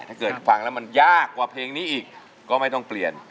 ถ้าเกิดฟังแล้วมันยากกว่าเพลงนี้อีกก็ไม่ต้องเปลี่ยน